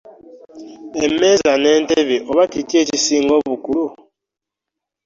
Emmeeza n'entebe oba kiki ekisinga obukulu?